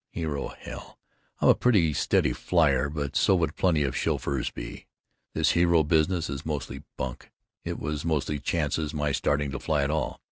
Hero, hell! I'm a pretty steady flier but so would plenty of chauffeurs be. This hero business is mostly bunk, it was mostly chance my starting to fly at all.